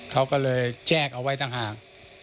เขาก็เลยแจ้งเอาไว้ต่างหาก